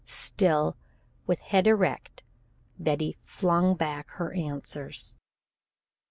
Still, with head erect, Betty flung back her answers.